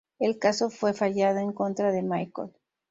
El caso fue fallado en contra de Michael.